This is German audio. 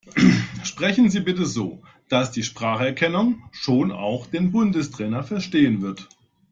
Sprechen Sie bitte so, dass die Spracherkennung schon auch den Bundestrainer verstehen wird.